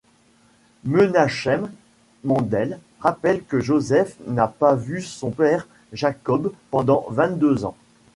Menachem Mendel rappelle que Joseph n'a pas vu son père Jacob pendant vingt-deux ans.